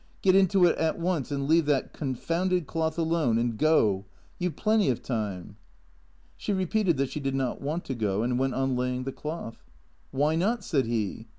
Get into it at once, and leave that confounded cloth alone and go. You've plenty of time." She repeated that she did not want to go, and went on laying the cloth. "Why not?" said he.